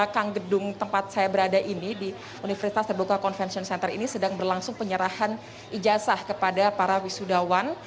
di belakang gedung tempat saya berada ini di universitas terbuka convention center ini sedang berlangsung penyerahan ijazah kepada para wisudawan